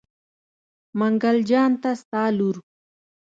منګل جان ته ستا لور.